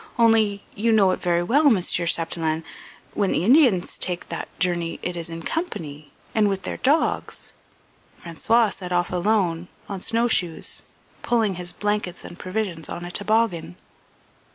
Only you know it very well, Mr. Chapdelaine when the Indians take that journey it is in company, and with their dogs. François set of alone, on snow shoes, pulling his blankets and provisions on a toboggan."